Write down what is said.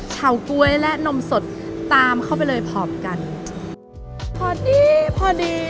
เฉาก๊วยและนมสดตามเข้าไปเลยพร้อมกันพอดีพอดี